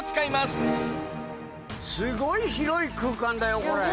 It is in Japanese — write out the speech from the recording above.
すごい広い空間だよこれ！